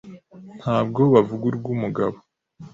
ntabwo bavuga urw’umugabo